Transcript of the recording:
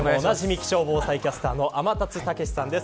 気象防災キャスターの天達さんです。